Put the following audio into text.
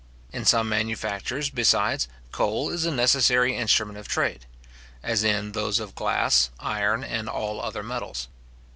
In some manufactures, besides, coal is a necessary instrument of trade; as in those of glass, iron, and all other metals.